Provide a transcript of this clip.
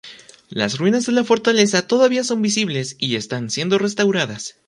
Las ruinas de la fortaleza todavía son visibles y están siendo restauradas.